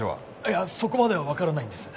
いやそこまではわからないんです。